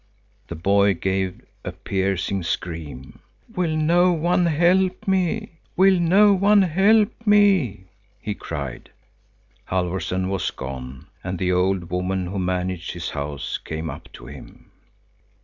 The boy gave a piercing scream. "Will no one help me, will no one help me?" he cried. Halfvorson was gone, and the old woman who managed his house came up to him.